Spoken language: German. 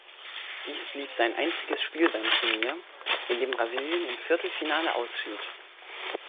Dies blieb sein einziges Spiel beim Turnier, in dem Brasilien im Viertelfinale ausschied.